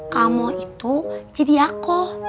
kamu itu jadi aku